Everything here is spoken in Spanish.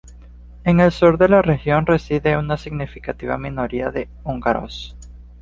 En el sur de la región reside una significativa minoría de húngaros.